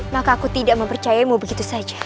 maka aku tidak mempercayamu begitu saja